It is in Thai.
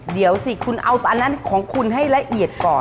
เดี๋ยวสิคุณเอาอันนั้นของคุณให้ละเอียดก่อน